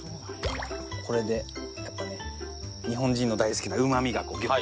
これでやっぱね日本人の大好きなうまみがギュッと。